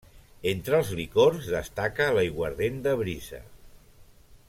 Entre els licors destaca l'aiguardent de brisa.